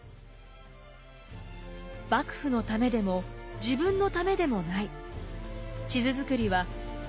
幕府のためでも自分のためでもない。